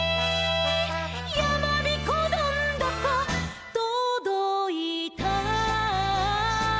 「やまびこどんどことどいた」